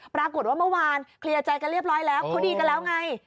ปรากฏว่าเมื่อวานเคลียร์ใจกันเรียบร้อยแล้วเขาดีกันแล้วไง